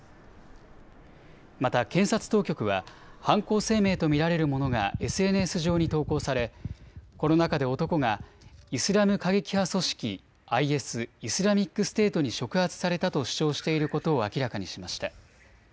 また検察当局は犯行声明と見られるものがＳＮＳ上に投稿されこの中で男がイスラム過激派組織ＩＳ・イスラミックステートに触発されたと主張していることを明らかにしました。